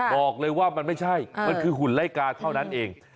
บอกเลยว่ามันไม่ใช่มันคือหุ่นไล่กาเท่านั้นเอง